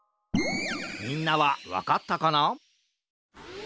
みんなはわかったかな？